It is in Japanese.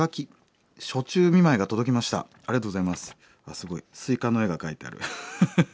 すごいスイカの絵が描いてある。